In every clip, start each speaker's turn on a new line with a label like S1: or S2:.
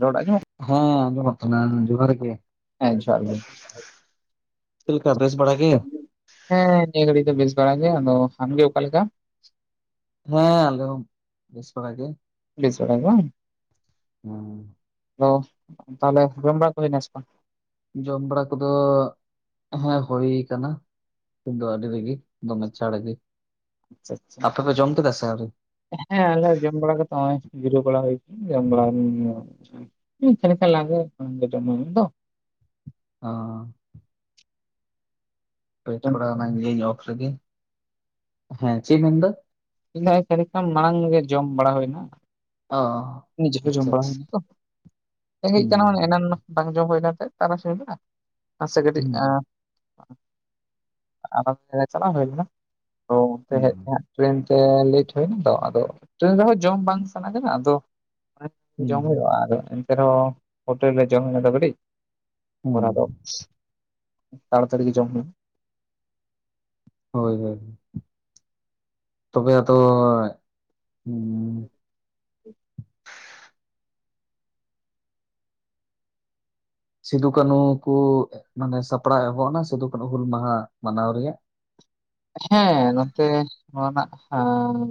S1: ᱨᱚᱲ ᱟᱡᱚᱢᱚᱜ
S2: ᱦᱮᱸ ᱟᱡᱚᱢᱚᱜ ᱠᱟᱱᱟ ᱡᱚᱦᱟᱨ ᱜᱮ
S1: ᱦᱮᱸ ᱡᱚᱦᱟᱨ ᱜᱮ
S2: ᱪᱮᱫ ᱞᱮᱠᱟ ᱵᱮᱥ ᱵᱟᱲᱟ ᱜᱮ?
S1: ᱦᱮᱸ ᱱᱤᱭᱟᱹ ᱜᱷᱟᱲᱤᱡ ᱫᱚ ᱵᱮᱥ ᱵᱟᱲᱟ ᱜᱮ᱾ᱟᱫᱚ ᱟᱢᱜᱮ ᱚᱠᱟ ᱞᱮᱠᱟ?
S2: ᱦᱮᱸ ᱟᱞᱮ ᱦᱚᱸ ᱵᱮᱥ ᱵᱟᱲᱟ ᱜᱮ᱾
S1: ᱵᱮᱥ ᱵᱟᱲᱟ ᱜᱮ ᱵᱟᱝ
S2: ᱦᱮᱸ
S1: ᱟᱫᱚ ᱛᱟᱦᱞᱮ ᱡᱚᱢ ᱵᱟᱲᱟ ᱠᱚ ᱦᱳᱭ ᱱᱟᱥᱮ ᱵᱟᱝ?
S2: ᱡᱚᱢ ᱵᱟᱲᱟ ᱠᱚᱫᱚ ᱦᱮᱸ ᱦᱳᱭ ᱠᱟᱱᱟ᱾ ᱫᱚ ᱟᱹᱰᱤ ᱨᱮᱜᱮ ᱫᱚᱢᱮ ᱪᱷᱟᱲ ᱜᱮ
S1: ᱟᱪᱪᱷᱟ ᱟᱪᱪᱷᱟ
S2: ᱟᱯᱮ ᱯᱮ ᱡᱚᱢ ᱠᱮᱫᱟ ᱥᱮ ᱟᱣᱨᱤ?
S1: ᱦᱮᱸ ᱟᱞᱮ ᱦᱚᱸ ᱡᱚᱢ ᱵᱟᱲᱟ ᱠᱟᱛᱮ ᱱᱚᱜᱚᱭ ᱡᱤᱨᱟᱹᱣ ᱵᱟᱲᱟ ᱦᱩᱭ ᱠᱟᱱᱟ ᱡᱚᱢ ᱵᱟᱲᱟ ᱦᱩᱸᱦᱩᱸ ᱪᱮᱫ ᱠᱷ ᱞᱟᱜᱮ ᱡ ᱛᱚ [inaudible]
S2: ᱦᱚ
S1: ᱡᱚᱢ
S2: ᱛᱷᱚᱲᱟ
S1: ᱠᱮᱫᱟ
S2: ᱚᱱᱟᱧ ᱞᱤᱱ ᱚᱯᱷ ᱨᱮᱜᱮ᱾ ᱦᱮᱸ ᱪᱮᱫ ᱢᱮᱱᱫᱟ?
S1: ᱤᱧ ᱫᱚ ᱠᱷᱟᱱᱤᱠ ᱠᱷᱚᱱ ᱢᱟᱲᱟᱝ ᱜᱮ ᱡᱚᱢ ᱵᱟᱲᱟ ᱦᱳᱭᱱᱟ
S2: ᱚ
S1: ᱱᱤᱡᱮ ᱠᱚ ᱡᱚᱢ
S2: ᱟᱪᱪᱷᱟ
S1: ᱵᱟᱲᱟ
S2: ᱟᱪᱪᱷᱟ
S1: ᱦᱳᱭ ᱱᱟ ᱛᱚᱸ ᱨᱮᱜᱮᱡ ᱠᱟᱱᱟ
S2: ᱦᱩᱸ
S1: ᱮᱱᱟᱱ ᱵᱟᱝ ᱡᱚᱢ ᱦᱩᱭ ᱞᱮᱱ ᱛᱟᱦᱮᱱ ᱛᱟᱨᱟᱥᱤᱧ ᱵᱮᱲᱟ᱾ ᱱᱟᱥᱮ ᱠᱟᱹᱴᱤᱡ
S2: ᱦᱩᱸ
S1: ᱟᱨ ᱟᱫᱚ ᱠᱟᱞᱮ ᱪᱟᱞᱟᱣ ᱦᱩᱭ ᱞᱮᱱᱟ ᱳ
S2: ᱦᱩᱸ
S1: [inaudible] ᱴᱨᱮᱱ ᱛᱮ ᱞᱮᱴ ᱦᱳᱭ ᱱᱟ ᱛᱚ ᱟᱫᱚ ᱴᱨᱮᱱ ᱨᱮᱦᱚᱸ ᱡᱚᱢ ᱵᱟᱝ ᱥᱟᱱᱟ ᱠᱟᱱᱟ ᱟᱫᱚ ᱡᱚᱢ
S2: ᱦᱩᱸ
S1: ᱦᱩᱭᱩᱜᱼᱟ ᱟᱫᱚ ᱮᱱᱛᱮ ᱨᱮᱦᱚᱸ ᱦᱳᱴᱮᱞ ᱨᱮ ᱡᱚᱢ ᱦᱩᱭᱱᱟ ᱫᱚ ᱠᱟᱹᱴᱤᱡ ᱚᱱᱟ ᱫᱚ
S2: ᱦᱩᱸ
S1: ᱯᱤᱥ ᱛᱟᱲᱟᱛᱟᱲᱤ ᱜᱮ ᱡᱚᱢ ᱦᱩᱭᱩᱜ
S2: ᱦᱳᱭ ᱦᱳᱭ ᱛᱚᱵᱮ ᱟᱫᱚ ᱦᱩᱸ
S1: [unintelligible]
S2: ᱥᱤᱫᱩ ᱠᱟᱹᱱᱩ ᱠᱚ ᱢᱟᱱᱮ ᱥᱟᱯᱲᱟᱣ ᱮᱦᱚᱵ ᱱᱟ ᱥᱤᱫᱩ ᱠᱟᱹᱱᱩ ᱦᱩᱞ ᱢᱟᱦᱟ ᱢᱟᱱᱟᱣ ᱨᱮᱭᱟᱜ
S1: ᱦᱮᱸ ᱱᱚᱛᱮ ᱱᱚᱣᱟ ᱨᱮᱱᱟᱜ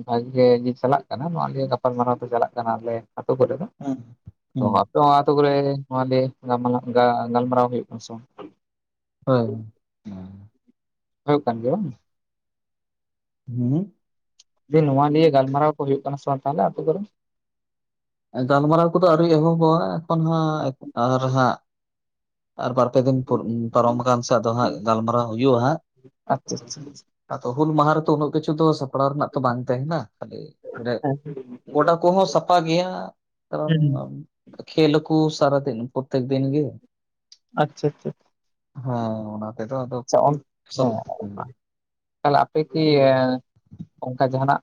S1: ᱵᱷᱟᱜᱮ ᱜᱮ ᱪᱟᱞᱟᱜ ᱠᱟᱱᱟ ᱱᱚᱣᱟ ᱜᱮ ᱜᱟᱯᱟᱞᱢᱟᱨᱟᱣ ᱠᱚ ᱪᱟᱞᱟᱜ ᱠᱟᱱᱟ ᱞᱮ ᱟᱛᱳ ᱠᱚᱨᱮ ᱫᱚ
S2: ᱦᱩᱸ ᱦᱩᱸ
S1: ᱟᱫᱚ ᱚ ᱟᱛᱩ ᱠᱚᱨᱮ ᱱᱚᱣᱟ ᱜᱮ ᱞᱤᱭᱟᱹ ᱜᱟᱞ ᱢᱟᱞᱟ ᱜᱟᱞᱢᱟᱨᱟᱣ ᱦᱩᱭᱩᱜ ᱠᱟᱱᱟ ᱥᱮ ᱵᱟᱝ?
S2: ᱦᱳᱭ ᱦᱩᱸ
S1: ᱦᱳᱭᱳᱜ ᱠᱟᱱ ᱜᱮᱭᱟ ᱵᱟᱝ
S2: ᱦᱩᱸ
S1: ᱫᱤᱧ ᱱᱚᱣᱟ ᱱᱤᱭᱮ ᱜᱟᱞᱢᱟᱨᱟᱣ ᱠᱚ ᱦᱩᱭᱩᱜ ᱠᱟᱱᱟ ᱥᱮ ᱵᱟᱝ ᱛᱟᱦᱚᱞᱮ ᱟᱹᱛᱩ ᱠᱚᱨᱮ?
S2: ᱜᱟᱞᱢᱟᱨᱟᱣ ᱠᱚᱫᱚ ᱟᱹᱣᱨᱤ ᱮᱦᱚᱵᱚᱜᱼᱟ ᱮᱠᱷᱚᱱ ᱦᱟᱸᱜ ᱟᱨ ᱦᱟᱸᱜ ᱟᱨ ᱵᱟᱨᱯᱮ ᱫᱤᱱ ᱯᱚᱨ ᱯᱟᱨᱚᱢ ᱟᱠᱟᱱ ᱥᱮ ᱟᱫᱚ ᱦᱟᱸᱜ ᱜᱟᱞᱢᱟᱨᱟᱣ ᱦᱩᱭᱩᱜᱼᱟ ᱦᱟᱸᱜ
S1: ᱟᱪᱪᱷᱟ ᱟᱪᱪᱷᱟ
S2: ᱟᱫᱚ ᱦᱩᱞ ᱢᱟᱦᱟ ᱨᱮᱛᱚ ᱩᱱᱟᱹᱜ ᱠᱤᱪᱷᱩ ᱫᱚ ᱥᱟᱯᱲᱟᱣ ᱨᱮᱱᱟᱜ ᱛᱚ ᱵᱟᱝ ᱛᱟᱦᱮᱱᱟ ᱠᱷᱟᱹᱞᱤ ᱚᱰᱮ ᱜᱚᱰᱟ ᱠᱚᱦᱚᱸ ᱥᱟᱯᱷᱟ ᱜᱮᱭᱟ ᱠᱟᱨᱚᱱ
S1: ᱦᱩᱸ ᱦᱩᱸ
S2: ᱠᱷᱮᱞ ᱟᱠᱚ ᱥᱟᱨᱟ ᱫᱤᱱ ᱯᱨᱚᱛᱮᱠ ᱫᱤᱱ ᱜᱮ
S1: ᱟᱪᱪᱷᱟ ᱟᱪᱪᱷᱟ
S2: ᱦᱮᱸ ᱚᱱᱟ ᱛᱮᱫᱚ ᱟᱫᱚ
S1: ᱟᱪᱪᱷᱟ
S2: ᱥᱟᱯ ᱯᱟᱢ
S1: ᱛᱟᱦᱚᱞᱮ ᱟᱯᱮ ᱠᱤ ᱚᱱᱠᱟ ᱡᱟᱦᱱᱟᱜ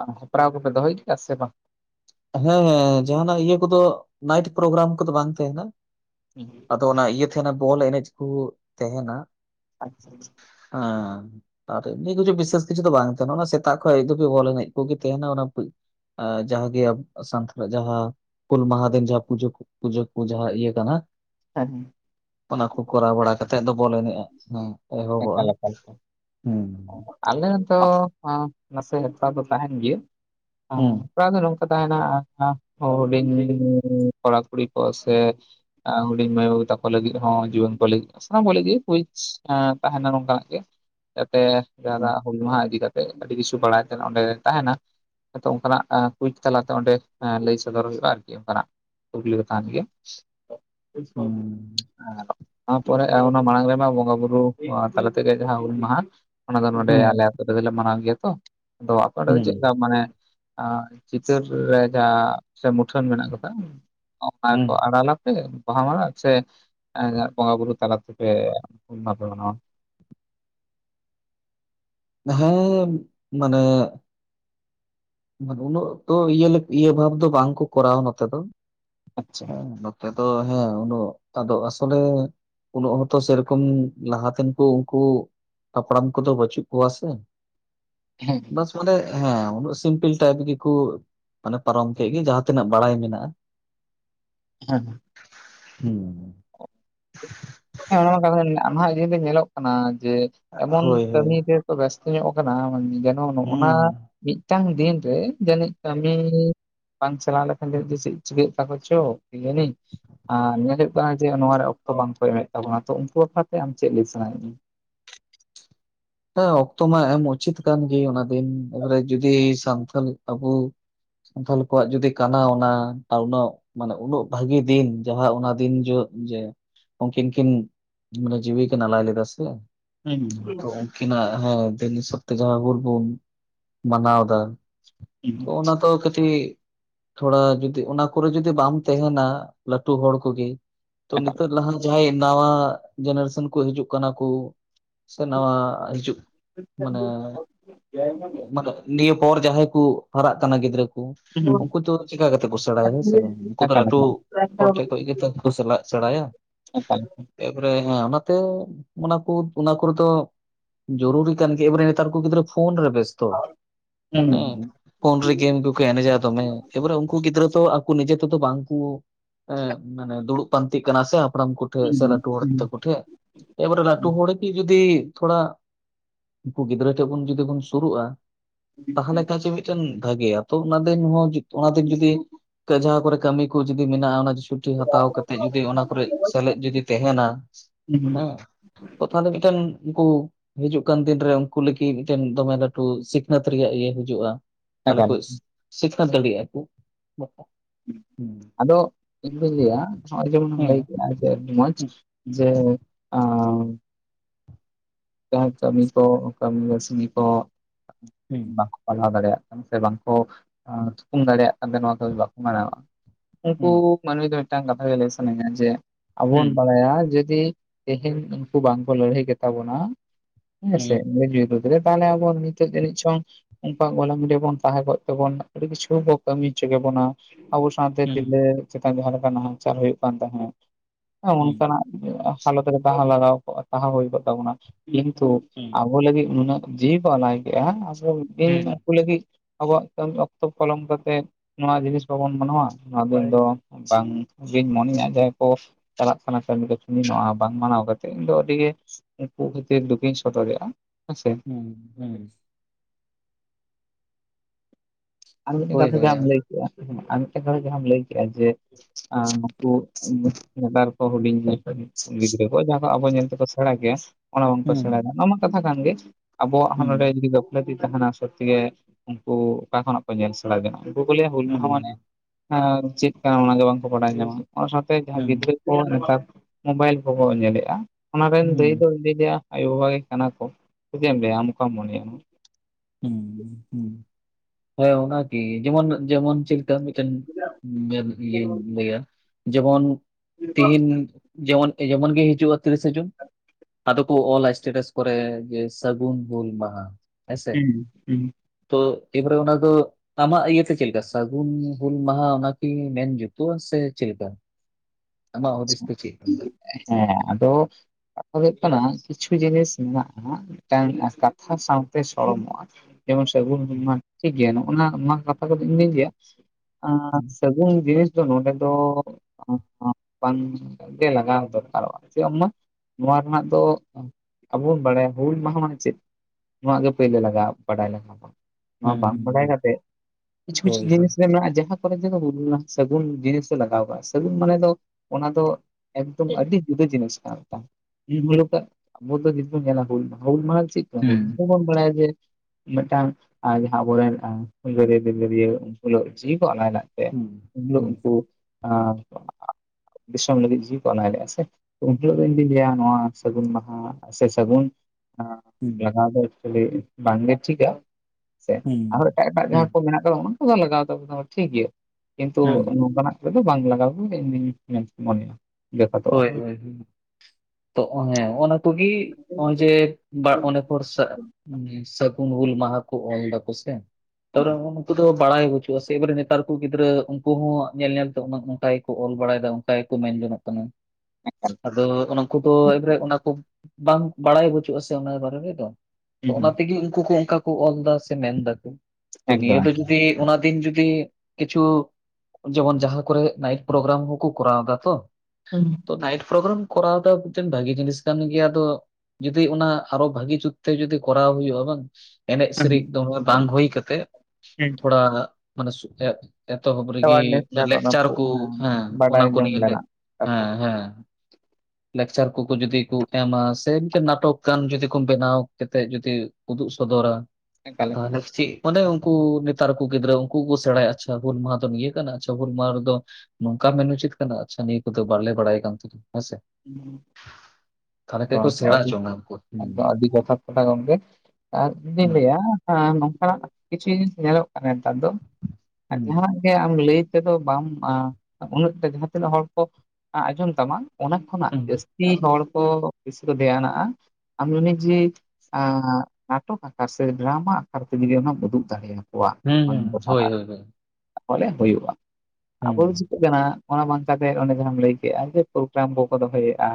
S1: ᱦᱟᱜ ᱦᱮᱯᱲᱟᱣ ᱠᱚᱯᱮ ᱫᱚᱦᱚᱭ ᱜᱮᱭᱟ ᱥᱮ ᱵᱟᱝ
S2: ᱦᱮᱸ ᱦᱮᱸ ᱡᱟᱦᱟᱸᱱᱟᱜ ᱤᱭᱟᱹ ᱠᱚᱫᱚ ᱱᱟᱭᱤᱴ ᱯᱨᱳᱜᱨᱟᱢ ᱠᱚᱫᱚ ᱵᱟᱝ ᱛᱟᱦᱮᱱᱟ ᱟᱫᱚ ᱚᱱᱟ ᱤᱭᱟᱹ ᱛᱟᱦᱮᱱᱟ ᱵᱚᱞ ᱮᱱᱮᱡ ᱠᱚ ᱛᱟᱦᱮᱱᱟ
S1: ᱟᱪᱤ
S2: ᱟᱸᱻ ᱨᱮ ᱮᱢᱱᱤ ᱠᱤᱪᱷᱩ ᱵᱤᱥᱮᱥ ᱠᱤᱪᱷᱩ ᱫᱚ ᱵᱟᱝ ᱛᱟᱦᱮᱱᱟ, ᱚᱱᱟ ᱥᱮᱛᱟᱜ ᱠᱷᱚᱡ ᱟᱹᱭᱩᱵ ᱫᱷᱟᱹᱵᱤᱡ ᱵᱚᱞ ᱮᱱᱮᱡ ᱠᱚᱜᱮ ᱛᱟᱦᱮᱱᱟ ᱚᱱᱟ ᱟᱻ ᱡᱟᱦᱟᱸ [unintelligible] ᱥᱟᱱᱛᱟᱲᱟᱜ ᱡᱟᱦᱟᱸ ᱦᱩᱞ ᱢᱟᱦᱟ ᱫᱤᱱ ᱡᱟᱦᱟᱸ ᱯᱩᱡᱟᱹ ᱯᱩᱡᱟᱹ ᱠᱚ ᱡᱟᱦᱟᱸ ᱤᱭᱟᱹ ᱠᱟᱱᱟ
S1: ᱦᱮᱸ ᱦᱮᱸ
S2: ᱚᱱᱟ ᱠᱚ ᱠᱚᱨᱟᱣ ᱵᱟᱲᱟ ᱠᱟᱛᱮ ᱫᱚ ᱵᱚᱞ ᱮᱱᱮᱡᱼᱟ᱾ ᱦᱩᱸ
S1: ᱮᱠᱟᱞ ᱮᱠᱟᱞ, ᱟᱞᱮ ᱫᱚ ᱦᱮᱸ, ᱱᱟᱥᱮ ᱮᱠᱴᱟ ᱫᱚ ᱛᱟᱦᱮᱱ ᱜᱮᱭᱟ ᱩᱸᱼᱼ
S2: ᱦᱩᱸ
S1: ᱫᱚ ᱱᱚᱝᱠᱟ ᱛᱟᱦᱮᱱᱟ [unintelligible] ᱦᱩᱰᱤᱧ ᱠᱚᱲᱟ ᱠᱩᱲᱤ ᱠᱚ ᱥᱮ ᱦᱩᱰᱤᱧ ᱢᱟᱹᱭ ᱵᱟᱹᱵᱩ ᱛᱟᱠᱚ ᱞᱟᱹᱜᱤᱫ ᱦᱚᱸ, ᱡᱩᱣᱟᱹᱱ ᱠᱚ ᱞᱟᱹᱜᱤᱫ ᱥᱟᱱᱟᱢ ᱠᱚ ᱞᱟᱹᱜᱤᱫ ᱠᱩᱭᱤᱡᱽ ᱮᱸ ᱛᱟᱦᱮᱱᱟ ᱱᱚᱝᱠᱟᱱᱟᱜ ᱜᱮ ᱡᱟᱛᱮ ᱡᱟᱦᱟᱸ
S2: ᱦᱩᱸ
S1: ᱫᱚ ᱦᱩᱞ ᱢᱟᱦᱟ ᱤᱫᱤ ᱠᱟᱛᱮ ᱟᱹᱰᱤ ᱠᱤᱪᱷᱩ ᱵᱟᱲᱟᱭ ᱛᱮᱱᱟᱜ ᱚᱸᱰᱮ ᱛᱟᱦᱮᱱᱟ᱾ [unintelligible] ᱚᱱᱠᱟᱱᱟᱜ ᱠᱩᱭᱤᱡᱽ ᱛᱟᱞᱟᱛᱮ ᱚᱸᱰᱮ ᱞᱟᱹᱭ ᱥᱚᱫᱚᱨ ᱦᱩᱭᱩᱜᱼᱟ ᱟᱨᱠᱤ ᱚᱱᱠᱟᱱᱟᱜ᱾ ᱠᱩᱠᱞᱤ ᱠᱚ ᱛᱟᱦᱮᱱ ᱜᱮᱭᱟ
S2: ᱦᱩᱸ
S1: [unintelligible] ᱚᱱᱟᱯᱚᱨᱮ ᱟᱨ ᱚᱱᱟ ᱢᱟᱲᱟᱝ ᱨᱮᱢᱟ ᱵᱚᱸᱜᱟ ᱵᱩᱨᱩ ᱛᱟᱞᱟ ᱛᱮᱜᱮ ᱡᱟᱦᱟᱸ ᱦᱩᱞ ᱢᱟᱦᱟ ᱚᱱᱟ ᱫᱚ ᱱᱚᱰᱮ
S2: ᱦᱩᱸ
S1: ᱟᱞᱮ ᱟᱹᱛᱩ ᱨᱮᱜᱮᱞᱮ ᱢᱟᱱᱟᱣ ᱜᱮᱭᱟ ᱛᱚ ᱟᱫᱚ ᱟᱯᱮ ᱚᱸᱰᱮ ᱫᱚ
S2: ᱦᱩᱸ
S1: ᱪᱮᱫ ᱞᱮᱠᱟ? ᱢᱟᱱᱮ ᱮᱸ, ᱪᱤᱛᱟᱹᱨ ᱨᱮ ᱡᱟᱦᱟᱸ ᱥᱮ ᱢᱩᱴᱷᱟᱹᱱ ᱢᱮᱱᱟᱜ ᱠᱟᱫᱟ? ᱚᱱᱟ
S2: ᱦᱩᱸ
S1: ᱠᱚ ᱟᱲᱟᱞᱟᱯᱮ? ᱵᱟᱦᱟ ᱢᱟᱞᱟ ᱥᱮ ᱵᱚᱸᱜᱟ ᱵᱩᱨᱩ ᱛᱟᱞᱟ ᱛᱮᱯᱮ ᱦᱩᱞ ᱢᱟᱦᱟ ᱯᱮ ᱢᱟᱱᱟᱣᱟ?
S2: ᱦᱮᱸ, ᱢᱟᱱᱮ ᱩᱱᱟᱹᱜ ᱫᱚ ᱤᱭᱟᱹ ᱤᱭᱟᱹ ᱵᱷᱟᱵᱽ ᱫᱚ ᱵᱟᱝ ᱠᱚ ᱠᱚᱨᱟᱣᱟ ᱱᱚᱛᱮ ᱫᱚ,
S1: ᱟᱪᱪᱷᱟ
S2: ᱦᱮᱸ ᱛᱮᱫᱚ ᱦᱮᱸ ᱩᱱᱟᱹᱜ ᱟᱫᱚ ᱟᱥᱚᱞᱮ ᱩᱱᱟᱹᱜ ᱦᱚᱸᱛᱚ ᱥᱮᱨᱚᱠᱚᱢ ᱞᱟᱦᱟᱛᱮᱱ ᱠᱚ ᱩᱱᱠᱩ ᱦᱟᱯᱲᱟᱢ ᱠᱚᱫᱚ ᱵᱟᱹᱪᱩᱜ ᱠᱚᱣᱟ ᱥᱮ
S1: ᱦᱮᱸ [unintelligible]
S2: [unintelligible] ᱦᱮᱸ ᱩᱱᱟᱹᱜ ᱯᱤᱞ ᱴᱟᱭᱤᱯ ᱜᱮᱠᱚ ᱢᱟᱱᱮ ᱯᱟᱨᱚᱢ ᱠᱮᱫ ᱜᱮ ᱡᱟᱦᱟᱸ ᱛᱤᱱᱟᱹᱜ ᱵᱟᱲᱟᱭ ᱢᱮᱱᱟᱜᱼᱟ᱾
S1: ᱦᱮ [unintelligible]
S2: ᱦᱩᱸ [unintelligible]
S1: ᱦᱮᱸ ᱚᱱᱟᱢᱟ ᱠᱟᱛᱷᱟ [unintelligible] ᱱᱟᱦᱟᱜ [unintelligible] ᱫᱚ ᱧᱮᱞᱚᱜ ᱠᱟᱱᱟ ᱡᱮ ᱮᱢᱚᱱ
S2: ᱦᱳᱭ ᱦᱳᱭ
S1: ᱠᱟᱹᱢᱤ ᱨᱮ ᱵᱮᱥᱛᱚ ᱧᱚᱜ ᱠᱟᱱᱟ ᱢᱟᱹᱱᱢᱤ ᱡᱮᱱᱚ ᱱᱚᱜ-ᱚ ᱱᱟ
S2: ᱦᱩᱸ
S1: ᱢᱤᱫᱴᱟᱝ ᱫᱤᱱ ᱨᱮ ᱡᱟᱹᱱᱤᱡ ᱠᱟᱹᱢᱤ ᱵᱟᱝ ᱪᱟᱞᱟᱣ ᱞᱮᱠᱷᱟᱱ ᱡᱟᱹᱱᱤᱡ ᱫᱚ ᱪᱮᱫ ᱪᱤᱠᱟᱹᱜ ᱛᱟᱠᱚ ᱪᱚ ᱠᱤ ᱡᱟᱹᱱᱤ ᱟᱨ ᱧᱮᱞ ᱦᱩᱭᱩᱜ ᱠᱟᱱᱟ ᱡᱮ ᱱᱚᱣᱟ ᱨᱮ ᱚᱠᱛᱚ ᱵᱟᱝᱠᱚ ᱮᱢᱮᱫ ᱛᱟᱵᱚᱱᱟ ᱛᱚ ᱩᱱᱠᱩ ᱵᱟᱠᱷᱨᱟ ᱛᱮ ᱟᱢ ᱪᱮᱫ ᱞᱟᱹᱭ ᱥᱟᱱᱟᱭᱮᱫ ᱢᱮᱭᱟ?
S2: ᱦᱮᱸ ᱚᱠᱛᱚ ᱢᱟ ᱮᱢ ᱩᱪᱤᱛ ᱠᱟᱱᱜᱮ ᱚᱱᱟ ᱫᱤᱱ, ᱮᱵᱟᱨᱮ ᱡᱩᱫᱤ ᱥᱟᱱᱛᱟᱞ ᱟᱵᱩ ᱥᱟᱱᱛᱷᱟᱞ ᱠᱚᱣᱟᱜ ᱡᱩᱫᱤ ᱠᱟᱱᱟ ᱚᱱᱟ [unintelligible] ᱩᱱᱟᱹᱜ ᱢᱟᱱᱮ ᱩᱱᱟᱹᱜ ᱵᱷᱟᱹᱜᱤ ᱫᱤᱱ ᱡᱟᱦᱟᱸ ᱚᱱᱟ ᱫᱤᱱ ᱡᱚ ᱡᱮ ᱩᱱᱠᱤᱱ ᱠᱤᱱ ᱢᱟᱱᱮ ᱡᱤᱣᱤ ᱠᱤᱱ ᱟᱞᱟᱭ ᱞᱮᱫᱟ ᱥᱮ
S1: [unintelligible]
S2: [unintelligible] ᱦᱮᱸ ᱫᱤᱱ ᱦᱤᱥᱟᱹᱵᱽ ᱛᱮ ᱡᱟᱦᱟᱸ ᱦᱩᱞ ᱵᱩᱱ ᱢᱟᱱᱟᱣ ᱮᱫᱟ᱾ ᱛᱚ ᱚᱱᱟ ᱫᱚ ᱠᱟᱹᱴᱤᱡ ᱛᱷᱚᱲᱟ ᱡᱩᱫᱤ ᱚᱱᱟ ᱠᱚᱨᱮ ᱡᱩᱫᱤ ᱵᱟᱢ ᱛᱟᱸᱦᱮᱱᱟ ᱞᱟᱹᱴᱩ ᱦᱚᱲ ᱠᱚᱜᱮ, ᱛᱚ
S1: ᱮᱠᱟᱞ
S2: ᱱᱤᱛᱚᱜ ᱞᱟᱦᱟ ᱡᱟᱦᱟᱸᱭ ᱱᱟᱣᱟ ᱡᱮᱱᱟᱨᱮᱥᱚᱱ ᱠᱚ ᱦᱤᱡᱩᱜ ᱠᱟᱱᱟ ᱠᱚ ᱥᱮ ᱱᱟᱣᱟ ᱦᱤᱡᱩᱜ ᱢᱟᱱᱮᱻ,
S1: ᱮᱠᱟᱞ
S2: ᱢᱟᱱᱮ ᱱᱤᱭᱟᱹ ᱯᱚᱨ ᱡᱟᱦᱟᱸᱭ ᱠᱚ ᱦᱟᱨᱟᱜ ᱠᱟᱱᱟ ᱜᱤᱫᱽᱨᱟᱹ ᱠᱚ
S1: ᱦᱩᱸ
S2: ᱩᱱᱠᱩ ᱫᱚ ᱪᱤᱠᱟ ᱠᱟᱛᱮ ᱠᱚ ᱥᱮᱬᱟᱭᱟ ᱦᱮᱸ ᱥᱮ ᱵᱟᱝ ᱩᱱᱠᱩ ᱫᱚ
S1: ᱮᱠᱟᱞ
S2: ᱞᱟᱹᱴᱩ ᱦᱚᱲ
S1: ᱮᱠᱟᱞ
S2: ᱴᱷᱮᱡ ᱠᱷᱚᱡ ᱜᱮ ᱛᱚ ᱩᱱᱠᱩ ᱠᱚ [unintelligible] ᱥᱮᱲᱟᱭᱟ᱾
S1: [unintelligible]
S2: ᱮᱯᱚᱨᱮ, ᱦᱮᱸ ᱚᱱᱟᱛᱮ ᱚᱱᱟ ᱠᱚ ᱚᱱᱟ ᱠᱚᱨᱮ ᱫᱚ ᱡᱚᱨᱩᱨᱤ ᱠᱟᱱ ᱜᱮ ᱮᱵᱟᱨᱮ ᱱᱮᱛᱟᱨ ᱠᱚ ᱜᱤᱫᱽᱨᱟᱹ ᱯᱷᱳᱱ ᱨᱮ
S1: ᱦᱩᱸ
S2: ᱵᱮᱥᱛᱚ᱾ᱦᱮᱸ ᱯᱷᱳᱱ ᱨᱮ ᱜᱮᱢ ᱫᱚᱠᱚ ᱮᱱᱮᱡᱟ ᱫᱚᱢᱮ ᱮᱵᱟᱨᱮ ᱩᱱᱠᱩ ᱜᱤᱫᱽᱨᱟᱹ ᱛᱚ ᱟᱠᱩ ᱱᱤᱡᱮᱛᱮᱫᱚ ᱵᱟᱝᱠᱩ ᱮ ᱢᱟᱱᱮ ᱫᱩᱲᱩᱵ ᱯᱟᱱᱛᱮᱜ ᱠᱟᱱᱟ ᱥᱮ ᱦᱟᱯᱲᱟᱢ ᱠᱚᱴᱮ ᱥᱮ
S1: ᱦᱩᱸ
S2: ᱞᱟᱹᱴᱩ ᱦᱚᱲ ᱛᱟᱠᱚ ᱴᱷᱮᱜ ᱮᱵᱟᱨᱮ ᱞᱟᱹᱴᱷᱩ ᱦᱚᱲ ᱜᱮ ᱡᱚᱫᱤ ᱛᱷᱚᱲᱟ ᱩᱱᱠᱩ ᱜᱤᱫᱽᱨᱟᱹ ᱴᱷᱮᱱ ᱵᱚᱱ ᱡᱩᱫᱤ ᱵᱚᱱ ᱥᱩᱨᱩᱜᱼᱟ ᱛᱟᱦᱚᱞᱮ ᱠᱷᱟᱱ ᱡᱮ ᱢᱤᱫᱴᱮᱱ ᱵᱷᱟᱹᱜᱮᱭᱟ᱾ ᱛᱚ ᱚᱱᱟ ᱫᱤᱱ ᱦᱚᱸ ᱚᱱᱟ ᱫᱤᱱ ᱡᱩᱫᱤ ᱡᱟᱦᱟᱸ ᱠᱚᱨᱮ ᱠᱟᱹᱢᱤ ᱠᱚ ᱡᱩᱫᱤ ᱢᱮᱱᱟᱜᱼᱟ ᱚᱱᱟ ᱪᱷᱩᱴᱤ ᱦᱟᱛᱟᱣ ᱠᱟᱛᱮ ᱡᱚᱫᱤ ᱚᱱᱟ ᱠᱚᱨᱮ ᱥᱮᱞᱮᱫ ᱡᱚᱫᱤ ᱛᱟᱸᱦᱮᱱᱟ
S1: ᱦᱩᱸ
S2: ᱦᱮᱸ ᱫᱚ ᱛᱟᱦᱞᱮ ᱢᱤᱫᱴᱮᱱ ᱩᱱᱠᱩ ᱦᱤᱡᱩᱜ ᱠᱟᱱ ᱫᱤᱱᱨᱮ ᱩᱱᱠᱩ ᱞᱟᱹᱜᱤᱫ ᱢᱤᱫᱴᱮᱱ ᱫᱚᱢᱮ ᱞᱟᱹᱴᱩ ᱥᱤᱠᱷᱱᱟᱹᱛ ᱨᱮᱭᱟᱜ ᱤᱭᱟᱹ ᱦᱤᱡᱩᱜᱼᱟ᱾ ᱛᱟᱦᱮᱞᱮ
S1: ᱮᱠᱟᱞ
S2: ᱠᱩ ᱥᱤᱠᱷᱱᱟᱹᱛ ᱫᱟᱲᱮᱭᱟᱜ ᱟᱠᱩ᱾
S1: ᱟᱫᱚ ᱤᱧᱫᱩᱧ ᱞᱟᱹᱭᱟ ᱱᱚᱜᱼᱚᱭ ᱡᱮᱢᱚᱱ
S2: ᱦᱩᱸ
S1: ᱞᱟᱹᱭ ᱠᱮᱜᱼᱟ ᱡᱮ ᱢᱚᱸᱡᱽ
S2: ᱦᱩᱸ
S1: ᱡᱮᱸ [unintelligible] ᱡᱟᱸᱦᱟ ᱠᱟᱹᱢᱤ ᱠᱚ ᱠᱟᱹᱢᱤ ᱠᱟᱹᱥᱤ ᱠᱚ᱾ ᱯᱟᱲᱦᱟᱣ ᱫᱟᱲᱮᱭᱟᱜ ᱠᱟᱱᱟ ᱥᱮ ᱵᱟᱝᱠᱚ ᱛᱷᱩᱠᱩᱢ ᱫᱟᱲᱮᱭᱟᱜ ᱠᱟᱱ ᱛᱮ ᱱᱚᱣᱟ ᱠᱚ ᱵᱟᱠᱚ ᱢᱟᱱᱟᱣᱼᱟ᱾ ᱩᱱᱠᱩ
S2: ᱦᱩᱸ
S1: ᱢᱟᱹᱱᱢᱤ ᱫᱚ ᱢᱤᱫᱴᱟᱝ ᱠᱟᱛᱷᱟ ᱜᱮ ᱞᱟᱹᱭ ᱥᱟᱱᱟᱧᱟ ᱡᱮ ᱟᱵᱚ
S2: ᱦᱩᱸ
S1: ᱵᱚᱱ ᱵᱟᱲᱟᱭᱟ ᱡᱩᱫᱤ ᱛᱮᱦᱮᱧ ᱩᱱᱠᱩ ᱵᱟᱝ ᱠᱚ ᱞᱟᱹᱲᱦᱟᱹᱭ ᱠᱮᱛᱟ ᱵᱚᱱᱟ᱾
S2: ᱦᱩᱸ
S1: ᱦᱮᱸᱥᱮ
S2: ᱦᱩᱸ
S1: [unintelligible] ᱵᱤᱨᱩᱫᱽ ᱨᱮ ᱛᱟᱦᱚᱞᱮ ᱟᱵᱚ ᱱᱤᱛᱚᱜ ᱡᱟᱹᱱᱤᱡ ᱪᱚᱝ ᱚᱱᱠᱟ ᱜᱚᱞᱟᱢᱤᱞᱮ ᱵᱚᱱ ᱛᱟᱦᱮᱸ ᱠᱚᱜ ᱛᱮᱵᱚᱱ ᱟᱹᱰᱤ ᱠᱤᱪᱷᱩ ᱵᱚ ᱠᱟᱹᱢᱤ ᱦᱚᱪᱚ ᱠᱮᱵᱚᱱᱟ ᱟᱵᱚ ᱥᱟᱶᱛᱮ ᱛᱤᱨᱞᱟᱹ
S2: ᱦᱩᱸ
S1: ᱪᱮᱛᱟᱱ ᱡᱟᱦᱟᱸ ᱞᱮᱠᱟ ᱱᱟᱦᱟᱪᱟᱨ ᱦᱩᱭᱩᱜ ᱠᱟᱱ ᱛᱟᱦᱮᱸᱫ᱾ ᱚᱱᱠᱟᱱᱟᱜ ᱦᱟᱞᱚᱛ ᱨᱮ ᱛᱟᱦᱮᱸ ᱞᱟᱜᱟᱣ ᱠᱚᱜᱼᱟ, ᱛᱟᱦᱮᱸ ᱦᱩᱭ ᱠᱚᱜ ᱛᱟᱵᱚᱱᱟ ᱠᱤᱱᱛᱩ
S2: ᱦᱩᱸ
S1: ᱟᱵᱚ ᱞᱟᱹᱜᱤᱫ ᱱᱩᱱᱟᱹᱜ ᱡᱤᱣᱤᱚ ᱠᱚ ᱟᱞᱟᱭ ᱜᱮᱼᱟ, ᱟᱵᱚ ᱢᱤᱫ ᱫᱤᱱ
S2: ᱦᱩᱸ
S1: ᱩᱱᱠᱩ ᱞᱟᱹᱜᱤᱫ ᱟᱵᱚᱣᱟᱜ ᱠᱟᱹᱢᱤ ᱚᱠᱛᱚ ᱯᱚᱞᱚᱢ ᱠᱟᱛᱮᱫ ᱱᱚᱣᱟ ᱡᱤᱱᱤᱥ ᱵᱟᱵᱚᱱ ᱢᱟᱱᱟᱣᱟ ᱱᱚᱣᱟ ᱫᱚ ᱤᱧ ᱫᱚ ᱵᱟᱝᱜᱤᱧ ᱢᱚᱱᱮᱭᱟ ᱡᱟᱦᱟᱸ ᱠᱚ ᱪᱟᱞᱟᱜ ᱠᱟᱱᱟ ᱠᱟᱹᱢᱤ ᱠᱟᱪᱷᱱᱤ ᱱᱚᱣᱟ ᱵᱟᱝ ᱢᱟᱱᱟᱣ ᱠᱟᱛᱮᱫ ᱤᱧ ᱫᱚ ᱟᱹᱰᱤ ᱜᱮ ᱩᱱᱠᱩ ᱠᱷᱟᱹᱛᱤᱨ ᱫᱩᱠᱤᱧ ᱥᱚᱫᱚᱨᱮᱜᱼᱟ ᱦᱮᱸᱥᱮ᱾
S2: ᱦᱩᱸ ᱦᱩᱸ
S1: ᱟᱨ ᱢᱤᱫᱴᱮᱱ
S2: ᱦᱳᱭ
S1: ᱠᱟᱛᱷᱟ
S2: ᱦᱳᱭ
S1: ᱡᱟᱦᱟᱸᱢ ᱞᱟᱹᱭ ᱠᱮᱜᱼᱟ, ᱟᱨ ᱢᱤᱫᱴᱮᱱ ᱠᱟᱛᱷᱟ ᱡᱟᱦᱟᱸᱟᱢ ᱞᱟᱹᱭ ᱠᱮᱜ-ᱟ ᱡᱮ ᱟᱨ ᱩᱱᱠᱩ [unintelligible] ᱱᱮᱛᱟᱨ ᱠᱚ ᱦᱩᱰᱤᱧ ᱜᱮ ᱜᱤᱫᱽᱨᱟᱹ ᱡᱟᱦᱟᱸ ᱠᱚ ᱟᱵᱚ ᱧᱮᱞ ᱛᱮᱠᱚ ᱥᱮᱬᱟ ᱠᱮᱭᱟ ᱠᱚ ᱡᱟᱸᱦᱟ ᱟᱵᱚ ᱧᱮᱞ ᱛᱮᱠᱚ
S2: ᱦᱩᱸ
S1: ᱥᱮᱬᱟ ᱠᱮᱭᱟ ᱚᱱᱟ ᱵᱟᱝᱠᱚ ᱥᱮᱬᱟᱭᱮᱫᱟ ᱚᱱᱟ ᱢᱟ ᱠᱟᱛᱷᱟ ᱠᱟᱱ ᱜᱮ ᱟᱵᱚᱣᱟᱜ ᱦᱚᱸ
S2: ᱦᱩᱸ
S1: ᱱᱚᱰᱮ ᱡᱩᱫᱤ ᱜᱟᱹᱯᱷ ᱜᱟᱹᱯᱷᱞᱟᱹᱛᱤ ᱛᱟᱸᱦᱮᱱᱟ ᱥᱚᱛᱛᱤ ᱜᱮ ᱩᱱᱠᱩ ᱚᱠᱟ ᱠᱷᱚᱱᱟᱜ ᱠᱚ ᱧᱮᱞ ᱥᱮᱲᱟ ᱡᱚᱝᱟ ᱩᱱᱠᱩ ᱠᱚ ᱞᱟᱹᱭᱟ ᱦᱩᱞ
S2: ᱦᱩᱸ
S1: ᱢᱟᱦᱟ ᱢᱟᱱᱮ
S2: ᱦᱩᱸ
S1: ᱦᱮᱸ ᱪᱮᱫ ᱠᱟᱱᱟ ᱚᱱᱟ ᱜᱮ ᱵᱟᱝᱠᱚ ᱵᱟᱰᱟᱭ ᱧᱟᱢᱟ ᱚᱱᱟ ᱥᱟᱶᱛᱮ ᱡᱟᱦᱟᱸ ᱜᱤᱫᱽᱨᱟᱹ [unintelligible] ᱱᱮᱛᱟᱨ ᱢᱳᱵᱟᱭᱤᱞ ᱠᱚᱠᱚ ᱧᱮᱞᱮᱜᱼᱟ ᱚᱱᱟᱨᱮᱱ ᱫᱟᱹᱭᱤ
S2: ᱦᱩᱸ
S1: ᱫᱚ ᱤᱧ ᱫᱩᱧ ᱞᱟᱹᱭᱼᱟ [unintelligible] ᱟᱭᱳ ᱵᱟᱵᱟ ᱜᱮ ᱠᱟᱱᱟ ᱠᱚ ᱥᱮ ᱪᱮᱫ ᱮᱢ ᱞᱟᱹᱭᱟ ᱟᱢ ᱚᱠᱟᱢ ᱢᱚᱱᱮᱭᱟ?
S2: ᱦᱩᱸ ᱦᱩᱸ ᱦᱳᱭ ᱚᱱᱟᱠᱤ ᱡᱮᱢᱚᱱ ᱡᱮᱢᱚᱱ ᱪᱮᱫ [unintelligible] ᱤᱭᱟᱹᱧ ᱞᱟᱹᱭᱟ ᱡᱮᱢᱚᱱ ᱛᱮᱦᱮᱧ ᱡᱮᱢᱚᱱ ᱡᱮᱢᱚᱱ ᱜᱮ ᱦᱤᱡᱩᱜᱼᱟ ᱛᱤᱨᱤᱥᱮ ᱡᱩᱱ᱾ ᱟᱫᱚ ᱠᱚ ᱚᱞᱟ ᱥᱴᱮᱴᱟᱥ ᱠᱚᱨᱮ ᱡᱮ ᱥᱟᱹᱜᱩᱱ ᱦᱩᱞ ᱢᱟᱦᱟ᱾ ᱦᱮᱸᱥᱮ
S1: ᱦᱩᱸ ᱦᱩᱸ᱾
S2: ᱛᱚ ᱮᱯᱚᱨᱮ ᱚᱱᱟ ᱫᱚ ᱟᱢᱟᱜ ᱤᱭᱟᱹᱛᱮ ᱪᱮᱫ ᱞᱮᱠᱟ ᱥᱟᱹᱜᱩᱱ ᱦᱩᱞ ᱢᱟᱦᱟ ᱚᱱᱟᱠᱤ ᱢᱮᱱ ᱡᱩᱛᱩᱜᱼᱟ ᱥᱮ ᱪᱮᱫ ᱞᱮᱠᱟ? ᱟᱢᱟᱜ ᱦᱩᱸᱫᱤᱥ ᱛᱮ ᱪᱮᱫ ᱠᱚ ᱢᱮᱛᱟᱜ?
S1: ᱦᱮᱸ ᱟᱫᱚ ᱠᱟᱛᱷᱟ ᱫᱚ ᱦᱩᱭᱩᱜ ᱠᱟᱱᱟ ᱠᱤᱪᱷᱩ ᱡᱤᱱᱤᱥ ᱢᱮᱱᱟᱜᱼᱟ ᱢᱤᱫᱴᱟᱝ ᱠᱟᱛᱷᱟ ᱥᱟᱶᱛᱮ ᱥᱚᱲᱚᱢᱚᱜᱼᱟ᱾ ᱡᱮᱢᱚᱱ ᱥᱟᱹᱜᱩᱱ [unintelligible] ᱴᱷᱤᱠ ᱜᱮᱭᱟ ᱱᱚᱜᱱᱟ ᱱᱚᱣᱟ ᱠᱟᱛᱷᱟ ᱠᱚᱫᱚ ᱤᱧᱫᱩᱧ
S2: ᱦᱩᱸ
S1: ᱞᱟᱹᱭᱟ ᱡᱤᱱᱤᱥ ᱫᱚ ᱱᱚᱰᱮ ᱫᱚ ᱵᱟᱝ ᱜᱮ ᱞᱟᱜᱟᱣ ᱫᱚᱨᱠᱟᱨᱚᱜᱼᱟ ᱡᱮ ᱵᱟᱝ ᱢᱟ ᱱᱚᱣᱟ ᱨᱮᱱᱟᱜ ᱫᱚ ᱟᱵᱚ ᱵᱚᱱ ᱵᱟᱲᱟᱭᱟ ᱦᱩᱞ ᱢᱟᱦᱟ ᱢᱟᱱᱮ ᱪᱮᱫ ᱱᱚᱣᱟ ᱜᱮ ᱯᱳᱭᱞᱳ ᱞᱟᱜᱟᱜᱼᱟ ᱵᱟᱰᱟᱭ ᱞᱟᱜᱟᱣ ᱵᱚᱱᱟ᱾ ᱱᱚᱣᱟ
S2: ᱦᱩᱸ
S1: ᱵᱟᱝ ᱵᱟᱰᱟᱭ
S2: ᱦᱩᱸ
S1: ᱠᱟᱛᱮᱫ ᱠᱤᱪᱷᱩ ᱠᱤᱪᱷᱩ
S2: ᱦᱳᱭ ᱦᱳᱭ
S1: ᱡᱤᱱᱤᱥ ᱨᱮ ᱢᱮᱱᱟᱜᱼᱟ ᱡᱟᱦᱟᱸ [unintelligible] ᱥᱟᱹᱜᱩᱱ ᱡᱤᱱᱤᱥᱮ ᱞᱟᱜᱟᱣ ᱠᱟᱜᱼᱟ ᱥᱟᱹᱜᱩᱱ ᱢᱟᱱᱮ ᱫᱚ ᱚᱱᱟ ᱫᱚ ᱮᱠᱫᱚᱢ ᱟᱹᱰᱤ ᱡᱩᱫᱟᱹ ᱡᱤᱱᱤᱥ ᱠᱟᱱᱟ ᱢᱤᱫᱴᱟᱝ [unintelligible] ᱟᱵᱚ ᱫᱚ ᱡᱩᱫᱤ ᱵᱚᱱ ᱧᱮᱞᱟ ᱦᱩᱞ ᱢᱟᱦᱟ ᱦᱩᱞ ᱢᱟᱦᱟ ᱫᱚ ᱪᱤᱫ ᱠᱟᱱᱟ ᱦᱩᱞ ᱢᱟᱦᱟᱸ
S2: ᱦᱩᱸ
S1: ᱟᱵᱚ ᱵᱚᱱ ᱵᱟᱲᱟᱭᱟ ᱡᱮ ᱢᱤᱫᱴᱟᱝ ᱡᱟᱦᱟᱸ ᱟᱵᱚᱨᱮᱱ ᱦᱩᱞᱜᱟᱹᱨᱤᱭᱟᱹ ᱫᱤᱞᱜᱟᱹᱨᱤᱭᱟᱹ ᱩᱱᱠᱩ ᱡᱤᱣᱤ ᱠᱚ ᱟᱞᱟᱭ ᱞᱮᱜᱼᱟ᱾
S2: ᱦᱩᱸ
S1: ᱩᱱ ᱦᱤᱞᱳᱜ
S2: ᱦᱩᱸ
S1: ᱩᱱᱠᱩ ᱫᱤᱥᱚᱢ ᱞᱟᱹᱜᱤᱫ ᱡᱤᱣᱤ ᱠᱚ ᱟᱞᱟᱣ ᱞᱮᱫᱼᱟ ᱥᱮ᱾ ᱩᱱ ᱦᱤᱞᱳᱜ ᱫᱚᱧ ᱞᱩᱧ... ᱞᱟᱹᱭᱟ ᱱᱚᱣᱟ ᱥᱟᱹᱜᱩᱱ ᱢᱟᱦᱟ ᱥᱮ ᱥᱟᱹᱜᱩᱱ
S2: ᱦᱩᱸ
S1: ᱞᱟᱜᱟᱣ ᱫᱚ ᱮᱠᱪᱚᱞᱤ ᱵᱟᱝ ᱜᱮ ᱴᱷᱤᱠ-ᱟ ᱥᱮ
S2: ᱦᱩᱸ
S1: ᱟᱨᱦᱚᱸ ᱮᱴᱟᱜ ᱮᱴᱟᱜ ᱡᱟᱦᱟᱸ
S2: ᱦᱩᱸ
S1: ᱠᱚ ᱢᱮᱱᱟᱜ ᱟᱠᱟᱫᱟ ᱚᱱᱟ ᱠᱚᱫᱚ ᱞᱟᱜᱟᱣ ᱛᱟᱵᱚᱱᱟ ᱴᱷᱤᱠ ᱜᱮᱭᱟ ᱠᱤᱱᱛᱩ
S2: ᱦᱩᱸ
S1: ᱱᱚᱝᱠᱟᱱᱟᱜ ᱫᱚ ᱵᱟᱝ ᱞᱟᱜᱟᱣ ᱤᱧᱫᱚᱧ ᱢᱚᱱᱮᱭᱟ ᱡᱚᱛᱷᱟᱛᱚᱜᱼᱟ
S2: ᱦᱳᱭ ᱦᱳᱭ ᱛᱚ ᱦᱮᱸ ᱚᱱᱟ ᱠᱚᱜᱮ ᱱᱚᱜᱼᱚᱭ ᱡᱮ ᱵᱟᱜ ᱚᱱᱟ ᱯᱚᱨ ᱥᱟᱹᱜ ᱥᱟ. ᱜᱩᱱ ᱦᱩᱞ ᱢᱟᱦᱟ ᱠᱚ ᱚᱞ ᱮᱫᱟᱠᱚ ᱥᱮ ᱛᱚᱵ ᱨᱮ ᱱᱚᱜ..... ᱩᱱᱠᱩ ᱫᱚ ᱵᱟᱲᱟᱭ ᱵᱟᱹᱪᱩᱜᱼᱟ ᱥᱮ ᱮᱵᱟᱨᱮ ᱱᱮᱛᱟᱨ ᱠᱚ ᱜᱤᱫᱽᱨᱟᱹ ᱩᱱᱠᱩ ᱦᱚᱸ ᱧᱮᱞ ᱧᱮᱞᱛᱮ ᱚᱱᱠᱟ ᱜᱮᱠᱚ ᱚᱞ ᱵᱟᱲᱟᱭᱮᱫᱟ ᱩᱱᱠᱩ ᱚᱝᱠᱟ ᱜᱮ ᱠᱚ ᱢᱮᱱ ᱡᱚᱝ-ᱚᱜ ᱠᱟᱱᱟ
S1: ᱮᱠᱟᱞ
S2: ᱟᱫᱚ ᱩᱱᱟᱠᱩ ᱠᱚ ᱮᱫᱽᱨᱮᱨᱮᱜ ᱠᱟᱱᱟ ᱠᱚ ᱵᱟᱝ ᱵᱟᱲᱟᱭ ᱵᱟᱹᱪᱩᱜ ᱟᱥᱮ ᱚᱱᱟ ᱵᱟᱨᱮ ᱨᱮᱫᱚ ᱛᱚ
S1: ᱦᱩᱸ
S2: ᱚᱱᱟ ᱛᱮᱜᱮ ᱩᱱᱠᱩ ᱠᱚ ᱚᱱᱠᱟ ᱠᱚ ᱚᱞᱫᱟ ᱥᱮ ᱢᱮᱱ ᱫᱟ ᱠᱚ ᱛᱚ ᱱᱤᱭᱟᱹ
S1: ᱮᱠᱫᱚᱢ
S2: ᱫᱚ ᱡᱩᱫᱤ ᱛᱮ ᱚᱱᱟ ᱫᱤᱱ ᱡᱩᱫᱤ ᱠᱤᱪᱷᱩ ᱡᱮᱢᱚᱱ ᱡᱟᱦᱟᱸ ᱠᱚᱨᱮ ᱱᱟᱭᱤᱴ ᱯᱨᱳᱜᱨᱟᱢ ᱦᱚᱸᱠᱚ ᱠᱚᱨᱟᱣ ᱮᱫᱟ ᱛᱚ
S1: ᱦᱩᱸ
S2: ᱛᱚ ᱱᱟᱭᱤᱴ ᱯᱨᱳᱜᱨᱟᱢ ᱠᱚᱨᱟᱣ ᱫᱚ ᱢᱤᱫᱴᱮᱱ ᱵᱷᱟᱜᱤ ᱡᱤᱱᱤᱥ ᱠᱟᱱ ᱜᱮᱭᱟ ᱟᱫᱚ ᱡᱩᱫᱤ ᱚᱱᱟ ᱟᱨᱚ ᱵᱷᱟᱹᱜᱤ ᱡᱩᱛᱮ ᱡᱚᱫᱤ ᱠᱚᱨᱟᱣ ᱦᱩᱭᱩᱜᱼᱟ ᱵᱟᱝ ᱮᱱᱮᱡ ᱥᱮᱨᱮᱧ ᱫᱚᱢᱮ ᱵᱟᱝ ᱦᱩᱭ ᱠᱟᱛᱮᱜ ᱛᱷᱚᱲᱟ ᱢᱟᱱᱮ [unintelligible] ᱮᱛᱚᱦᱚᱵ ᱨᱮᱜᱮ
S1: ᱮᱣᱟᱨᱱᱮᱥ ᱡᱟᱦᱟᱸ ᱚᱱᱟ
S2: ᱞᱮᱠᱪᱟᱨ ᱠᱚ ᱦᱮᱸ ᱚᱱᱟ
S1: ᱵᱟᱰᱟᱭ
S2: ᱠᱚ
S1: ᱡᱚᱝ
S2: ᱱᱤᱭᱮ
S1: ᱨᱮᱱᱟᱜ ᱠᱟᱛᱷᱟ
S2: ᱦᱮᱸ ᱦᱮᱸ ᱞᱟᱠᱪᱟᱨ ᱠᱚᱠᱚ ᱡᱩᱫᱤ ᱠᱚ ᱮᱢᱟ ᱥᱮ ᱢᱤᱫᱴᱮᱱ ᱱᱟᱴᱚᱠ ᱜᱟᱱ ᱡᱩᱫᱤ ᱠᱚᱢ ᱵᱮᱱᱟᱣ ᱠᱟᱛᱮᱫ ᱡᱩᱫᱤ ᱩᱫᱩᱜ ᱥᱚᱫᱚᱨᱟ
S1: ᱮᱠᱟᱞ ᱮᱠᱟᱞ
S2: ᱛᱟᱦᱚᱞᱮ ᱪᱮᱫ ᱢᱟᱱᱮ ᱩᱱᱠᱩ ᱱᱮᱛᱟᱨ ᱠᱚ ᱜᱤᱫᱽᱨᱟᱹ ᱩᱱᱠᱩ ᱠᱚᱠᱚ ᱥᱮᱬᱟᱭᱟ ᱟᱪᱪᱷᱟ ᱦᱩᱞ ᱢᱟᱦᱟ ᱫᱚ ᱱᱤᱭᱟᱹ ᱠᱟᱱᱟ ᱦᱩᱞ ᱢᱟᱦᱟᱸ ᱨᱮᱫᱚ ᱱᱚᱝᱠᱟ ᱢᱮᱱ ᱩᱪᱤᱛ ᱠᱟᱱᱟ ᱱᱤᱭᱟᱹ ᱠᱚᱫᱚ ᱵᱟᱞᱮ ᱵᱟᱲᱟᱭ ᱠᱟᱱ ᱛᱟᱦᱮᱱᱟ ᱦᱮᱸ ᱥᱮ
S1: ᱦᱩᱸ ᱮᱫᱚᱢ
S2: ᱥᱮᱬᱟ
S1: ᱟᱹᱰᱤ
S2: ᱦᱚᱪᱚᱱᱟ ᱩᱱᱠᱩ᱾ ᱦᱩᱸ᱾
S1: ᱮᱠᱫᱚᱢ ᱟᱹᱰᱤ ᱡᱚᱛᱷᱟᱛ ᱠᱟᱛᱷᱟ ᱜᱚᱢᱠᱮ ᱟᱨ ᱤᱧᱫᱩᱧ
S2: ᱦᱩᱸ
S1: ᱞᱟᱹᱭᱟ ᱦᱮᱸ ᱱᱚᱝᱠᱟᱱᱟᱜ ᱠᱤᱪᱷᱩ ᱡᱤᱱᱤᱥ ᱧᱮᱞᱚᱜ ᱠᱟᱱᱟ ᱱᱮᱛᱟᱨ ᱫᱚ ᱟᱨ
S2: ᱦᱩᱸ
S1: ᱡᱟᱦᱟᱸ ᱟᱢ ᱞᱟᱹᱭ ᱛᱮᱫᱚ ᱵᱟᱢ ᱟᱸ... ᱩᱱᱟᱹᱜ ᱡᱟᱦᱟᱸ ᱛᱤᱱᱟᱹᱜ ᱦᱚᱲ ᱠᱚ ᱟᱸᱡᱚᱢ ᱛᱟᱢᱟ ᱚᱱᱟ ᱠᱷᱚᱱᱟᱜ
S2: ᱦᱩᱸ
S1: ᱡᱟᱹᱥᱛᱤ ᱦᱚᱲ ᱠᱚ ᱵᱤᱥᱤ ᱠᱚ ᱫᱷᱮᱭᱟᱱᱟᱜᱼᱟ ᱟᱢ ᱡᱩᱱᱤ ᱡᱮ ᱟᱸ... ᱱᱟᱴᱚᱠ ᱟᱠᱟᱨ ᱥᱮ ᱰᱨᱟᱢᱟ ᱟᱠᱟᱨ ᱛᱮ ᱡᱩᱫᱤ ᱚᱱᱟᱢ ᱩᱫᱩᱜ ᱫᱟᱲᱮᱭᱟᱜ-ᱟ ᱠᱚᱣᱟ
S2: ᱦᱩᱸ ᱦᱩᱸ
S1: ᱩᱱᱠᱩ ᱛᱟᱞᱟ
S2: ᱦᱳᱭ
S1: ᱨᱮ
S2: ᱦᱳᱭ ᱦᱳᱭ᱾
S1: ᱛᱟᱦᱞᱮ ᱦᱩᱭᱩᱜᱼᱟ ᱟᱵᱚ ᱫᱚ
S2: ᱦᱩᱸ᱾
S1: ᱪᱤᱠᱟᱹᱜ ᱠᱟᱱᱟ ᱚᱱᱟ ᱵᱟᱝ ᱠᱟᱛᱮ ᱚᱸᱰᱮ ᱡᱟᱦᱟᱸᱢ ᱞᱟᱹᱭ ᱠᱮᱫᱼᱟ ᱡᱮ ᱴᱨᱟᱢ ᱠᱚ ᱠᱚ ᱫᱚᱦᱚᱭᱮᱫᱼᱟ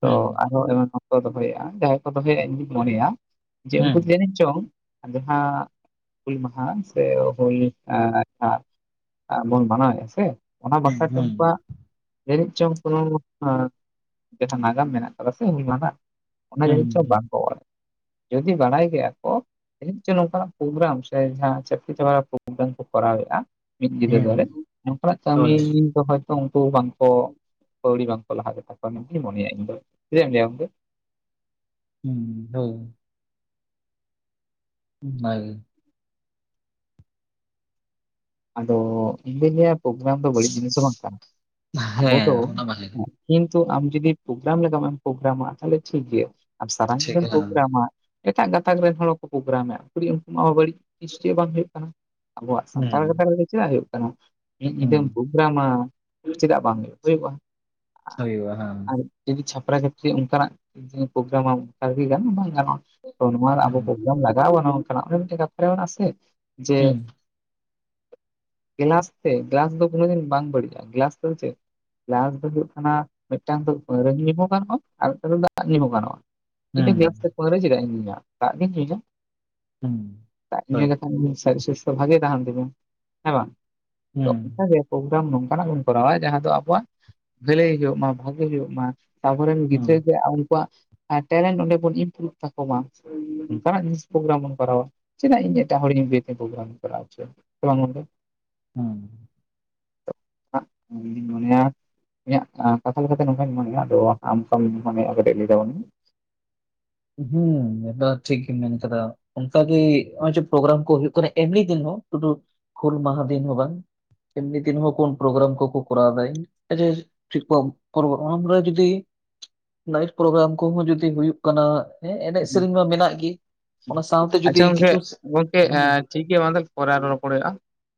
S1: ᱛᱚ
S2: ᱦᱩᱸ
S1: ᱟᱨᱦᱚ ᱮᱢᱟᱱ ᱠᱚ ᱫᱚᱦᱚᱭᱮᱜ-ᱟ ᱡᱟᱦᱟᱸᱭ ᱠᱚ ᱫᱚᱦᱚᱭᱟ ᱤᱧᱫᱩᱧ ᱢᱚᱱᱮᱭᱟ ᱡᱮ ᱩᱱᱠᱩ
S2: ᱦᱩᱸ
S1: ᱡᱟᱹᱱᱤᱡ ᱪᱚᱝ ᱡᱟᱦᱟᱸ ᱦᱩᱞ ᱢᱟᱦᱟ ᱥᱮ ᱦᱩᱞ ᱟᱸ... ᱵᱚᱱ ᱢᱟᱱᱟᱣᱮᱫᱼᱟ ᱥᱮ ᱚᱱᱟ
S2: ᱦᱩᱸ
S1: ᱵᱟᱠᱷᱨᱟ ᱛᱮ
S2: ᱦᱩᱸ
S1: ᱩᱱᱠᱩᱣᱟᱜ ᱡᱟᱹᱱᱤᱡ ᱪᱚᱝ ᱠᱳᱱᱳ ᱟᱸ.... ᱡᱟᱦᱟᱸ ᱱᱟᱜᱟᱢ ᱢᱮᱱᱟᱜ ᱠᱟᱫᱟ ᱥᱮ ᱦᱩᱞ ᱢᱟᱦᱟ ᱨᱮᱱᱟᱜ ᱚᱱᱟ ᱡᱟᱹᱱᱤᱡ ᱪᱚᱝ
S2: ᱦᱩᱸ
S1: ᱵᱟᱝᱠᱚ ᱚᱞᱮᱫ ᱡᱩᱫᱤ ᱵᱟᱲᱟᱭ ᱠᱮᱭᱟ ᱠᱚ ᱡᱟᱱᱤᱡ ᱪᱚ ᱱᱚᱝᱠᱟᱱᱟᱜ ᱯᱨᱳᱜᱨᱟᱢ ᱥᱮ ᱡᱟᱦᱟᱸ ᱪᱟᱹᱠᱨᱤ ᱪᱟ ᱯᱨᱳᱜᱨᱟᱢ ᱠᱚ ᱠᱚᱨᱟᱣᱮᱫᱼᱟ ᱢᱤᱫ ᱧᱤᱫᱟ
S2: ᱦᱩᱸ
S1: ᱫᱷᱚᱨᱮ ᱚᱝᱠᱟᱱᱟᱜ ᱠᱟᱹᱢᱤ
S2: ᱦᱳᱭ᱾
S1: ᱫᱚ ᱦᱚᱭᱛᱚ ᱩᱱᱠᱩ ᱵᱟᱝᱠᱚ ᱠᱟᱹᱣᱲᱤ ᱵᱟᱝ ᱞᱟᱦᱟᱜ ᱜᱮᱛᱟ ᱠᱚᱣᱟ ᱢᱮᱱ ᱛᱤᱧ ᱢᱚᱱᱮᱭᱟ ᱤᱧ ᱫᱚ ᱪᱮᱫ ᱮᱢ ᱞᱟᱭᱟᱢ ᱜᱚᱝᱠᱮ
S2: ᱦᱩᱸ ᱦᱳᱭ ᱚᱱᱟ ᱜᱮ
S1: ᱟᱫᱚ ᱤᱧ ᱫᱚᱧ ᱞᱟᱹᱭᱟ ᱯᱨᱜᱨᱟᱢ ᱫᱚ ᱵᱟᱹᱲᱤᱡ ᱡᱤᱱᱤᱥ ᱫᱚ ᱵᱟᱝ ᱠᱟᱱᱟ ᱟᱵᱚ ᱫᱚ
S2: ᱦᱮᱸ ᱚᱱᱟ ᱵᱷᱟᱜᱮ ᱜᱮ
S1: ᱠᱤᱱᱛᱩ ᱟᱢ ᱡᱩᱫᱤ ᱯᱨᱳᱜᱨᱟᱢ ᱞᱮᱠᱟᱢ ᱯᱨᱳᱜᱨᱟᱢᱟ ᱛᱟᱦᱞᱮ ᱴᱷᱤᱠ ᱜᱮᱭᱟ ᱟᱨ ᱥᱟᱨᱟ
S2: ᱴᱷᱤᱠ
S1: ᱧᱤᱫᱟᱹᱢ
S2: ᱦᱟᱸ
S1: ᱯᱨᱳᱜᱨᱟᱢᱟ ᱮᱴᱟᱜ ᱜᱟᱛᱟᱠ ᱨᱮᱱ ᱦᱚᱲ ᱠᱚ ᱯᱨᱳᱜᱨᱟᱢ ᱢᱮᱜᱼᱟ ᱠᱩᱲᱤ ᱦᱚᱯᱚᱱᱟᱜ ᱢᱟ ᱵᱟᱹᱲᱤᱡ ᱥᱤᱥᱴᱤ ᱦᱚᱸ ᱵᱟᱝ ᱦᱩᱭᱩᱜ ᱠᱟᱱᱟ ᱟᱵᱚᱣᱟᱜ ᱥᱟᱢ....
S2: ᱦᱩᱸ
S1: ᱦᱚᱭᱛᱚ ᱪᱮᱫᱟᱜ ᱦᱩᱭᱩᱜ ᱠᱟᱱᱟ ᱢᱤᱫ ᱧᱤᱫᱟᱹᱢ
S2: ᱦᱩᱸ᱾
S1: ᱯᱨᱚᱜᱽᱨᱟᱢᱟ ᱪᱮᱫᱟᱜ ᱵᱟᱝ ᱦᱩᱭᱩᱜᱼᱟ ᱦᱩᱭᱩᱜᱼᱟ।
S2: ᱦᱚᱭᱚᱜᱼᱟ ᱦᱮᱸ
S1: ᱟᱨ ᱡᱩᱫᱤ ᱪᱷᱟᱯᱨᱟᱼ ᱪᱟᱹᱯᱨᱤᱭᱟᱜ ᱚᱱᱠᱟᱱᱟᱜ ᱯᱨᱳᱜᱨᱟᱢ ᱟᱢ ᱚᱱᱠᱟᱠᱤ ᱜᱟᱱᱚᱜᱼᱟ ᱵᱟᱝ ᱜᱟᱱᱚᱜᱼᱟ। ᱛᱚ ᱱᱚᱣᱟ ᱨᱮ ᱟᱵᱚ
S2: ᱦᱩᱸ
S1: ᱯᱨᱚᱜᱨᱟᱢ ᱞᱟᱜᱟᱣᱜ ᱦᱟᱸᱜ ᱚᱱᱠᱟᱱᱟᱜ ᱢᱤᱫᱴᱮᱡ [unintelligible] ᱠᱟᱛᱷᱟ ᱢᱮᱱᱟᱜᱼᱟ ᱥᱮ ᱡᱮ
S2: ᱦᱩᱸ
S1: ᱜᱞᱟᱥ ᱛᱮ ᱜᱞᱟᱥ ᱫᱚ ᱠᱳᱱᱳ ᱫᱤᱱ ᱵᱟᱝ ᱵᱟᱹᱲᱤᱡᱼᱟ ᱜᱞᱟᱥ ᱫᱚ ᱪᱮᱫ ᱜᱮᱞᱟᱥ ᱫᱚ ᱦᱩᱭᱩᱜ ᱠᱟᱱᱟ ᱢᱤᱫᱴᱟᱝ ᱫᱚ ᱯᱟᱹᱣᱨᱟᱹ ᱧᱩ ᱦᱚᱸ ᱜᱟᱱᱚᱜᱼᱟ ᱟᱨ ᱢᱤᱫᱴᱟᱝ ᱫᱚ ᱫᱟᱜ ᱧᱩ ᱦᱚᱸ ᱜᱟᱱᱚᱜᱼᱟ। ᱧᱤᱫᱟᱹ
S2: ᱦᱩᱸ
S1: ᱵᱮᱲᱟ ᱚᱠᱛᱚ ᱯᱟᱹᱣᱨᱟᱹ ᱪᱮᱫᱟᱜ ᱤᱧ ᱧᱩᱭᱟ ᱫᱟᱜ ᱜᱮᱧ ᱧᱩᱭᱟ।
S2: ᱦᱩᱸ᱾
S1: ᱫᱟᱫ ᱧᱩ
S2: ᱦᱳᱭ
S1: ᱞᱮᱠᱷᱟᱱ [unintelligible] ᱥᱟᱨᱤᱨ ᱥᱩᱥᱛᱷᱚ ᱵᱷᱟᱜᱮ ᱛᱟᱦᱮᱱ ᱛᱟᱵᱤᱱᱟ᱾ ᱦᱮᱸ ᱵᱟᱝ ᱛᱚ
S2: ᱦᱩᱸ
S1: ᱠᱟᱜᱮ ᱯᱚᱜᱨᱟᱢ ᱱᱚᱝᱠᱟᱱᱟᱜ ᱜᱮᱵᱚᱱ ᱠᱚᱨᱟᱣᱟ ᱡᱟᱦᱟᱸ ᱫᱚ ᱟᱵᱚᱣᱟᱜ ᱵᱷᱟᱹᱞᱟᱹᱭ ᱦᱩᱭᱩᱜ ᱢᱟ ᱵᱷᱟᱜᱮ ᱦᱩᱭᱩᱜ ᱢᱟ। ᱟᱵᱚᱨᱮᱱ
S2: ᱦᱩᱸ
S1: ᱜᱤᱫᱽᱨᱟᱹ ᱜᱮ ᱩᱱᱠᱩᱣᱟᱜ ᱮᱸ ᱴᱮᱞᱮᱱᱴ ᱚᱸᱰᱮ ᱵᱚᱱ ᱤᱢᱯᱨᱩᱵᱷ ᱛᱟᱠᱚ ᱢᱟ ᱚᱝᱠᱟᱱᱟᱜ ᱡᱤᱱᱤᱥ ᱯᱨᱳᱜᱨᱟᱢ ᱵᱚᱱ ᱠᱚᱨᱟᱣᱟ᱾ ᱪᱮᱫᱟᱜ ᱤᱧ ᱮᱴᱟᱜ ᱦᱚᱲ [unintelligible] ᱯᱳᱜᱨᱟᱢ ᱤᱧ ᱠᱚᱨᱟᱣ ᱚᱪᱚᱭᱟ ᱥᱮ ᱵᱟᱝ ᱜᱟᱝᱠᱮ᱾
S2: ᱦᱩᱸ
S1: [unintelligible] ᱤᱧ ᱫᱚᱧ ᱢᱚᱱᱮᱭᱟ ᱤᱧᱟᱹᱜ ᱟᱸ ᱠᱟᱛᱷᱟ ᱞᱮᱠᱟᱛᱮ ᱱᱚᱝᱠᱟᱧ ᱢᱚᱱᱮᱭᱟ, ᱟᱫᱚ ᱟᱢ ᱚᱠᱟᱢ ᱢᱚᱱᱮᱭᱟ ᱠᱟᱹᱴᱤᱡ ᱞᱟᱹᱭ ᱛᱟᱵᱚᱱ ᱢᱮ᱾
S2: ᱦᱩᱸ ᱢᱮᱱᱫᱚ ᱴᱷᱤᱠ ᱜᱤᱢ ᱢᱮᱱ ᱠᱟᱫᱟ᱾ ᱚᱝᱠᱟᱜᱮ ᱦᱚᱸᱜᱼᱚᱭ ᱡᱮ ᱯᱨᱳᱜᱨᱟᱢ ᱠᱚ ᱦᱩᱭᱩᱜ ᱠᱟᱱᱟ ᱮᱢᱱᱤ ᱫᱤᱱ ᱦᱚᱸ ᱥᱩᱫᱩ ᱦᱩᱞ ᱢᱟᱦᱟ ᱫᱤᱱ ᱦᱚᱸ ᱵᱟᱝ᱾ ᱮᱢᱱᱤ ᱫᱤᱱ ᱦᱚᱸ ᱠᱚᱱ ᱯᱨᱳᱜᱨᱟᱢ ᱠᱚᱠᱚ ᱠᱚᱨᱟᱣ ᱫᱟᱭ [unintelligible] [unintelligible] ᱡᱩᱫᱤ ᱱᱟᱭᱤᱴ ᱯᱨᱳᱜᱨᱟᱢ ᱠᱚᱦᱚᱸ ᱡᱩᱫᱤ ᱦᱩᱭᱩᱜ ᱠᱟᱱᱟ ᱦᱮᱸ ᱮᱱᱮᱡ ᱥᱮᱨᱮᱧ ᱢᱟ ᱢᱮᱱᱟᱜ ᱜᱮ᱾ ᱚᱱᱟ ᱥᱟᱶᱛᱮ ᱡᱩᱫᱤ
S1: ᱟᱪᱪᱷᱟ ᱜᱚᱝᱠᱮ
S2: ᱠᱤᱪᱷᱩ
S1: ᱜᱚᱝᱠᱮ
S2: ᱦᱩᱸ
S1: ᱮᱸ ᱴᱷᱤᱠ ᱜᱮᱭᱟ ᱢᱟ ᱛᱟᱦᱞᱮ ᱯᱚᱨᱮ ᱟᱨᱚ ᱨᱚᱯᱚᱲ ᱦᱩᱭᱩᱜᱼᱟ᱾